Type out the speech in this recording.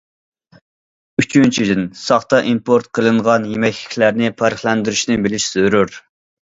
ئۈچىنچىدىن، ساختا ئىمپورت قىلىنغان يېمەكلىكلەرنى پەرقلەندۈرۈشنى بىلىش زۆرۈر.